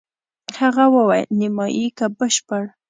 هغه وویل: نیمایي که بشپړ؟